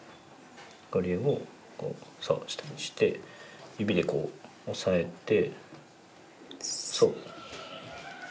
これをそう下にして指でこう押さえてそう。